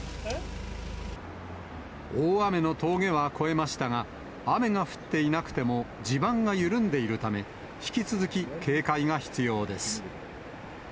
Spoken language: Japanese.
大雨の峠は越えましたが、雨が降っていなくても地盤が緩んでいるため、引き続き警戒が必要です。